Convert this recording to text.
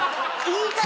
言い方。